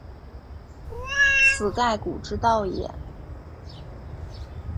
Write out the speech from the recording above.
此盖古之道也。